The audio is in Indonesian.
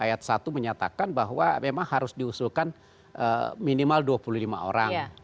ayat satu menyatakan bahwa memang harus diusulkan minimal dua puluh lima orang